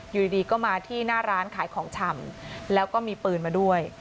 อยู่ดีก็มาที่หน้าร้านขายของชำแล้วก็มีปืนมาด้วย